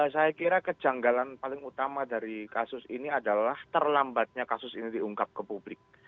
saya kira kejanggalan paling utama dari kasus ini adalah terlambatnya kasus ini diungkap ke publik